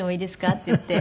って言って。